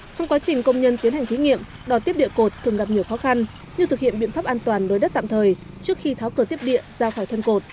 trong quá trình công nhân tiến hành thí nghiệm đòn tiếp địa cột thường gặp nhiều khó khăn như thực hiện biện pháp an toàn đối đất tạm thời trước khi tháo cờ tiếp địa ra khỏi thân cột